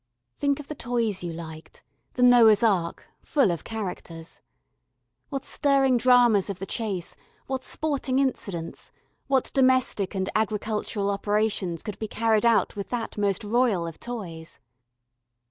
Think of the toys you liked: the Noah's Ark full of characters. What stirring dramas of the chase, what sporting incidents, what domestic and agricultural operations could be carried out with that most royal of toys.